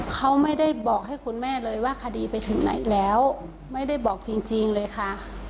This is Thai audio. เขาไม่ได้บอกให้คุณแม่เลยว่าคดีไปถึงไหนแล้วไม่ได้บอกจริงเลยค่ะ